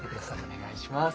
お願いします。